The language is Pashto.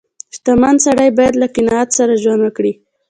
• شتمن سړی باید له قناعت سره ژوند وکړي.